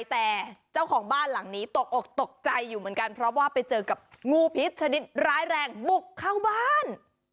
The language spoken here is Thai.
แต่เจ้าของบ้านหลังนี้ตกอกตกใจอยู่เหมือนกันเพราะว่าไปเจอกับงูพิษชนิดร้ายแรงบุกเข้าบ้าน